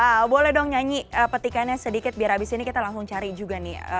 wow boleh dong nyanyi petikannya sedikit biar abis ini kita langsung cari juga nih